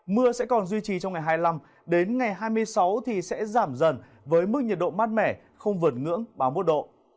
mưa sẽ còn duy trì trong ngày hai mươi năm đến ngày hai mươi sáu thì sẽ giảm dần với mức nhiệt độ mát mẻ không vượt ngưỡng ba mươi một độ